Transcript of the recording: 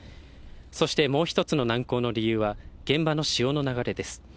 そして、もう一つの難航の理由は現場の潮の流れです。